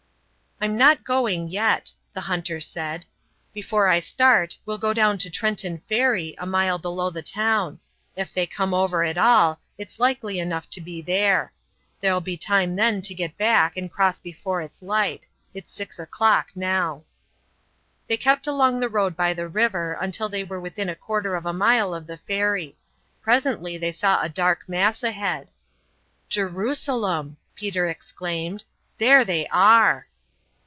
"I'm not going yet," the hunter said. "Before I start we'll go down to Trenton Ferry, a mile below the town. Ef they come over at all, it's likely enough to be there. There'll be time then to get back and cross before it's light; It's six o'clock now." They kept along the road by the river until they were within a quarter of a mile of the ferry. Presently they saw a dark mass ahead. "Jerusalem!" Peter exclaimed. "There they are."